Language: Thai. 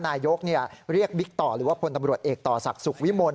นายกเรียกบิ๊กต่อหรือว่าพลตำรวจเอกต่อศักดิ์สุขวิมล